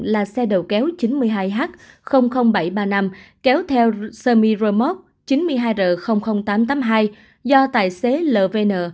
là xe đầu kéo chín mươi hai h bảy trăm ba mươi năm kéo theo sami rơ móc chín mươi hai r tám trăm tám mươi hai do tài xế lvn